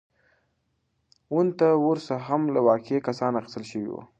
وُنت وُرث هم له واقعي کسانو اخیستل شوی و.